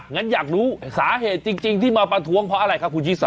งั้นอยากรู้สาเหตุจริงที่มาประท้วงเพราะอะไรครับคุณชิสา